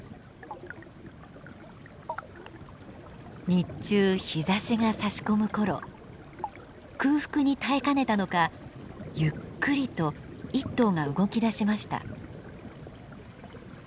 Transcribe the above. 日中日ざしがさし込む頃空腹に耐えかねたのかゆっくりと１頭が動きだしました。